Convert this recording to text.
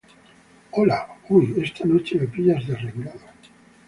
hola. uy, esta noche me pillas derrengado.